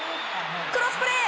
クロスプレー！